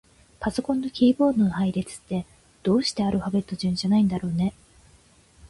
パソコンのキーボードの配列って、どうしてアルファベット順じゃないんだろうね。